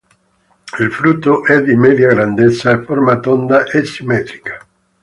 Il frutto è di media grandezza, a forma tonda e simmetrica.